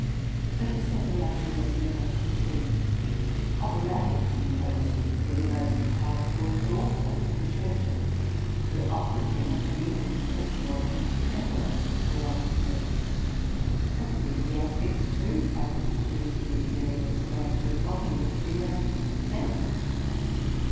But the separation was never complete; operatic composers for the most part worked also for the churches, where opera singers and even professional instrumentalists were often heard. Ecclesiastics, too, practised music in various branches, often with zeal and success.